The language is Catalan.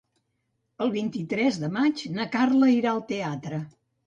El vint-i-tres de maig na Carla irà al teatre.